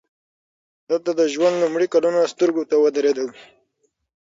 دلته د ژوند لومړي کلونه سترګو ته ودرېدل